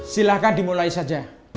silahkan dimulai saja